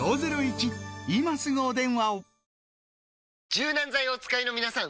柔軟剤をお使いのみなさん！